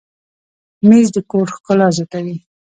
مېز د کور ښکلا زیاتوي.